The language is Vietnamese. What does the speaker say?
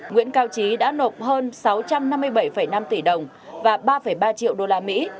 nguyễn cao chí đã nộp hơn sáu trăm năm mươi bảy năm tỷ đồng và ba ba triệu usd